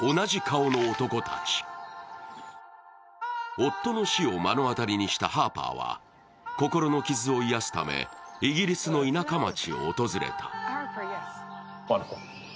夫の死を目の当たりにしたハーパーは心の傷を癒すため、イギリスの田舎町を訪れた。